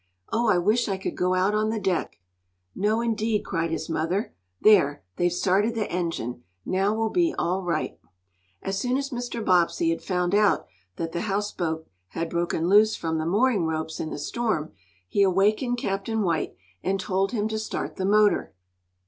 "Oh, I wish I could go out on the deck!" "No, indeed!" cried his mother. "There! They've started the engine. Now we'll be all right." As soon as Mr. Bobbsey had found out that the houseboat had broken loose from the mooring ropes in the storm, he awakened Captain White, and told him to start the motor.